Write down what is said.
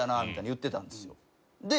みたいに言ってたんですよ。